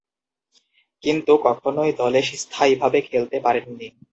কিন্তু, কখনোই দলে স্থায়ীভাবে খেলতে পারেননি।